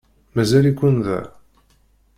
Mazal-iken da?